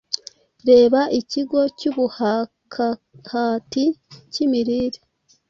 Reba Ikigo Cyubuhakahati Cyimirire,